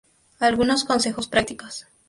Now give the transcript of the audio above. Algunos consejos prácticos